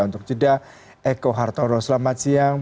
untuk jeda eko hartono selamat siang